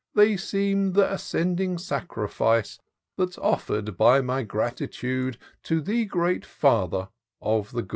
They seem th' ascending sacrifice That's ofier'd by my gratitude To the Great Father of the good."